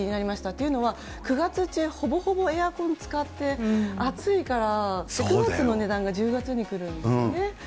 というのは、９月中、ほぼほぼエアコン使って、暑いから、９月の値段が１０月に来るんですよね。